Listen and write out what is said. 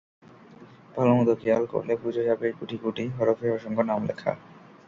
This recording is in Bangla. ভালোমতো খেয়াল করলে বোঝা যাবে, গুটি গুটি হরফে অসংখ্য নাম লেখা।